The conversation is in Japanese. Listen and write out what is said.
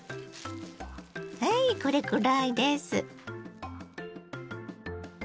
はいこれくらいです。